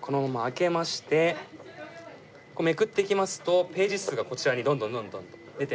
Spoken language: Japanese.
このまま開けましてめくっていきますとページ数がこちらにどんどんどんどん出て参ります。